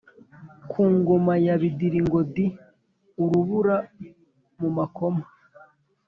Ku ngoma ya Bidiri ngo di !-Urubura mu makoma.